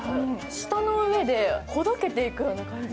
下の上でほどけていくような感じ。